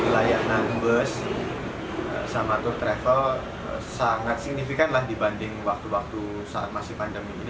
layanan bus sama tur travel sangat signifikan lah dibanding waktu waktu saat masih pandemi ini